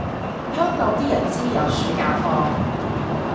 香港啲日資有暑假放